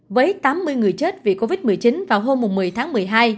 với tám mươi người chết vì covid một mươi chín vào hôm một mươi tháng một mươi hai